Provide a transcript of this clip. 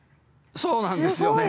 そうなんですよ。